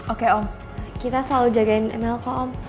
oke om kita selalu jagain mlk om